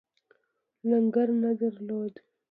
لنګر نه درلود.